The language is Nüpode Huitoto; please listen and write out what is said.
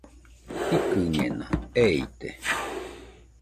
Ikɨñeno, eite